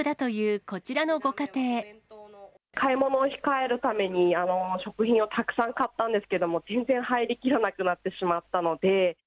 買い物を控えるために、食品をたくさん買ったんですけども、全然入りきらなくなってしまったので。